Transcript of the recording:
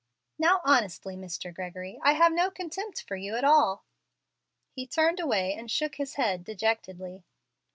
"Now, honestly, Mr. Gregory, I have no contempt for you at all." He turned away and shook his head dejectedly.